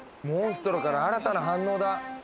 モンストロから新たな反応だ！